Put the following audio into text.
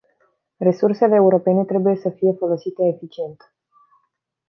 Resursele europene trebuie să fie folosite eficient.